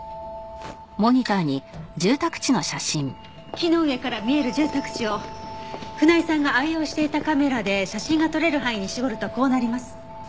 木の上から見える住宅地を船井さんが愛用していたカメラで写真が撮れる範囲に絞るとこうなります。